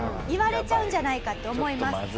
言われちゃうんじゃないかって思います。